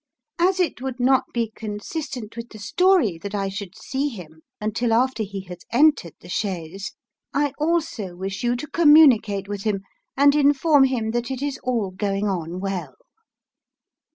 As it would not be consistent with the story that I should see him until after he has entered the chaise, I also wish you to communicate with him, and inform him that it is all going on well."